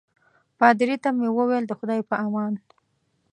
پادري ته مې وویل د خدای په امان.